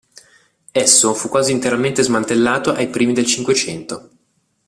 Esso fu quasi interamente smantellato ai primi del Cinquecento.